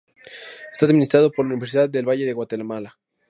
Está administrado por la Universidad del Valle de Guatemala.